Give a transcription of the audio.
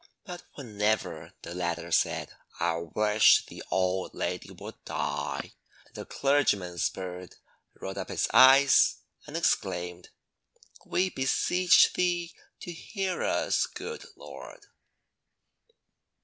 But whenever the latter said, "I wish the old lady would die," the clergyman's bird rolled up its eyes and exclaimed, "We beseech Thee to hear us, good Lord."